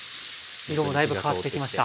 色もだいぶ変わってきました。